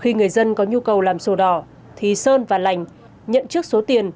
khi người dân có nhu cầu làm sổ đỏ thì sơn và lành nhận trước số tiền